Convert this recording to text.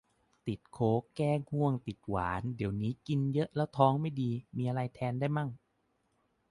ติดโค้ก แก้ง่วง ติดหวาน แต่เดี๋ยวนี้กินเยอะแล้วท้องไม่มีดี มีอะไรแทนได้มั่ง